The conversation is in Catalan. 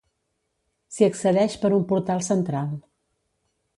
S'hi accedeix per un portal central.